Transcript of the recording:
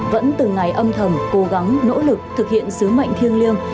vẫn từng ngày âm thầm cố gắng nỗ lực thực hiện sứ mệnh thiêng liêng